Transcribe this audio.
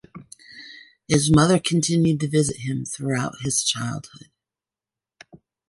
His mother continued to visit him throughout his childhood.